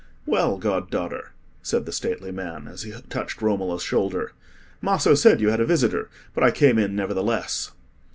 "Well, god daughter," said the stately man, as he touched Romola's shoulder; "Maso said you had a visitor, but I came in nevertheless."